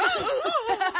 アハハハ